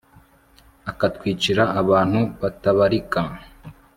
akatwicira abantu batabarika